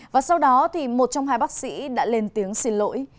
và sau đó thì một trong hai bác sĩ đã lên tiếng xin lỗi